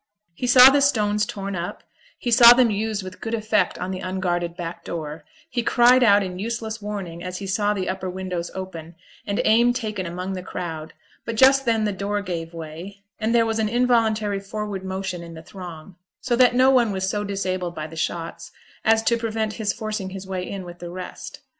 He saw the stones torn up; he saw them used with good effect on the unguarded back door; he cried out in useless warning as he saw the upper windows open, and aim taken among the crowd; but just then the door gave way, and there was an involuntary forward motion in the throng, so that no one was so disabled by the shots as to prevent his forcing his way in with the rest.